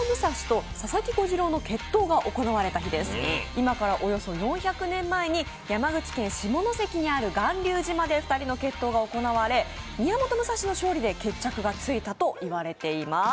今からおよおｓ４００年前、山口県下関の巌流島で２人の決闘が行われ、宮本武蔵の勝利で決着がついたと言われています。